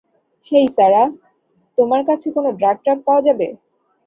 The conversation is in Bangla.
হেই সারাহ, তোমার কাছে কোন ড্রাগ ট্রাগ পাওয়া যাবে?